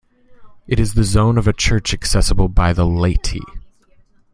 It is the zone of a church accessible by the laity.